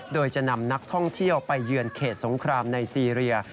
โดยจะนำนักท่องเที่ยวไปเยือนเขตสงครามในซีเรีย